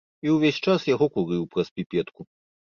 І ўвесь час яго курыў праз піпетку.